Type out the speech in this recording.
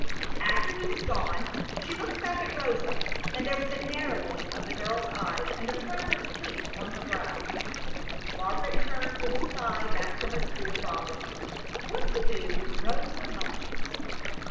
After he was gone she looked back at Rosa, and there was a narrowing of the girl's eyes and a frown of hate on her brows. Margaret turned with a sigh back to her school problem what to do with Rosa Rogers?